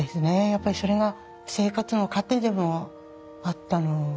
やっぱりそれが生活の糧でもあったので。